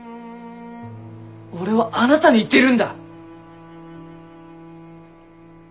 俺はあなたに言ってるんだ！